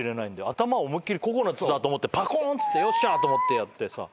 頭を思いっ切りココナツだと思ってぱこんっつってよっしゃと思ってやってさ。